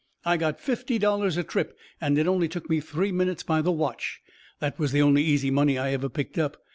I got fifty dollars a trip, and it only took me three minutes by the watch. That was the only easy money I ever picked up.